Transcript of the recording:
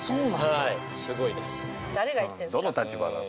はいすごいです。